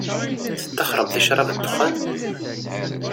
Tettaxxṛemt i ccṛab d dexxan?